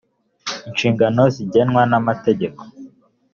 inshingano zigengwa n’amategeko .